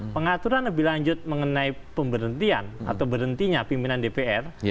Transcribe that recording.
pengaturan lebih lanjut mengenai pemberhentian atau berhentinya pimpinan dpr